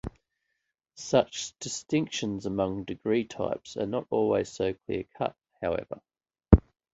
Such distinctions among degree types are not always so clear-cut, however.